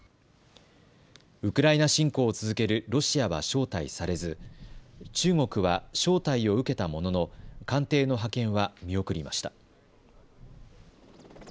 ウクライナ侵攻を続けるロシアは招待されず中国は招待を受けたものの艦艇の派遣は見送りました。